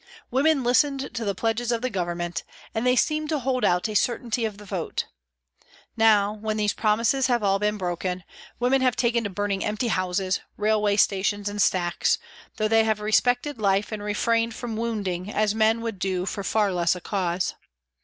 Women listened to the pledges of the Government and they seemed to hold out a certainty of the vote. Now, when these promises have all been broken, women have taken to burning empty houses, railway stations and stacks, though they have respected life and refrained from wounding, as men would do for far less a cause.